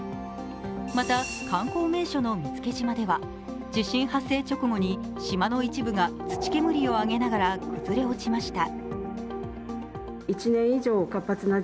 また、観光名所の見附島では地震発生直後に島の一部が土煙を上げながら崩れ落ちました。